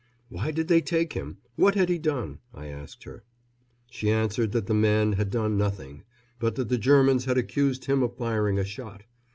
"Why did they take him? What had he done?" I asked her. She answered that the man had done nothing, but that the Germans had accused him of firing a shot.